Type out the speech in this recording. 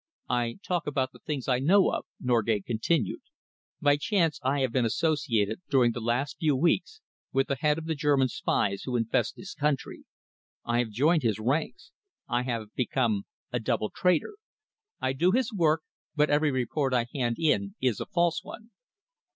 "I talk about the things I know of," Norgate continued. "By chance I have been associated during the last few weeks with the head of the German spies who infest this country. I have joined his ranks; I have become a double traitor. I do his work, but every report I hand in is a false one."